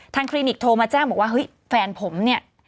คลินิกโทรมาแจ้งบอกว่าเฮ้ยแฟนผมเนี่ย